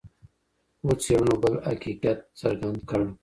خو څېړنو بل حقیقت څرګند کړ.